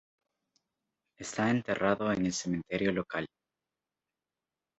Está enterrado en el cementerio local.